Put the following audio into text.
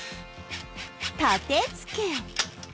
立て付け